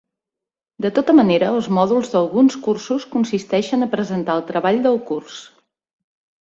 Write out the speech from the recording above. De tota manera, els mòduls d'alguns cursos consisteixen a presentar el treball del curs.